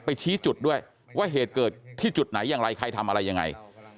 ชี้จุดด้วยว่าเหตุเกิดที่จุดไหนอย่างไรใครทำอะไรยังไง